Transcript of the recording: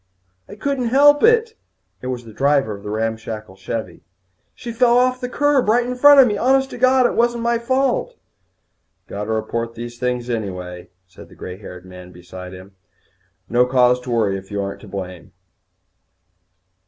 "I couldn't help it." It was the driver of the ramshackle Chevvie. "She fell off the curb right in front of me. Honest to God, it wasn't my fault." "Got to report these things right away," said the grey haired man beside him. "No cause to worry if you ain't to blame."